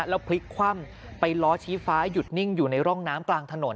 แล้วพลิกคว่ำไปล้อชี้ฟ้าหยุดนิ่งอยู่ในร่องน้ำกลางถนน